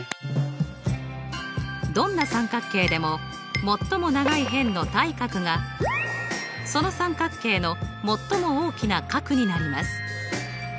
どんな三角形でも最も長い辺の対角がその三角形の最も大きな角になります。